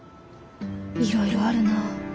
いろいろあるなあ。